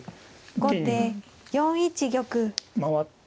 後手４一玉。